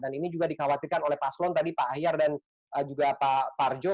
dan ini juga dikhawatirkan oleh pak slon tadi pak hayar dan juga pak parjo